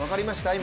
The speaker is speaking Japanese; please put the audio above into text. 今。